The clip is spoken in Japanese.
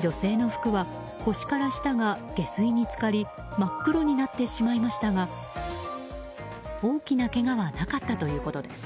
女性の服は腰から下が下水に浸かり真っ黒になってしまいましたが大きなけがはなかったということです。